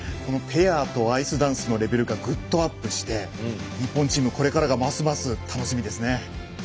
ペアとアイスダンスのレベルがグッとアップして日本チーム、これからがますます楽しみですね。